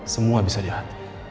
semua bisa jahat